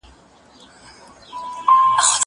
سندري واوره.